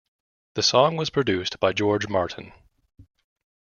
The song was produced by George Martin.